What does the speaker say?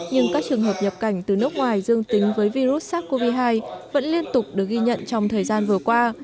nhưng các trường hợp nhập cảnh từ nước ngoài dương tính với virus sars cov hai vẫn liên tục được ghi nhận trong thời gian vừa qua